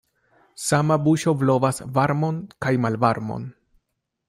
Sama buŝo blovas varmon kaj malvarmon.